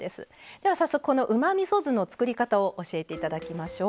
では早速このうまみそ酢の作り方を教えて頂きましょう。